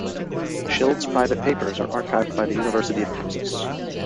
Schild's private papers are archived by the University of Texas.